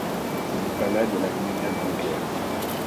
Ce n’est pas là de la gnognotte d’éclair.